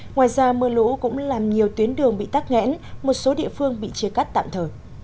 ngoài ra mưa lũ cũng làm nhiều tuyến đường bị tắc nghẽn một số địa phương bị chia cắt tạm thời